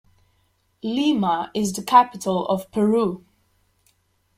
Lima is the capital of Peru.